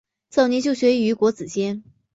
早年就学于国子监。